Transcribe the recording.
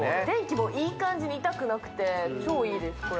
電気もいい感じに痛くなくて超いいです